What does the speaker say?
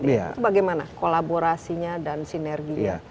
itu bagaimana kolaborasinya dan sinerginya